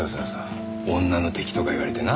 女の敵とか言われてな。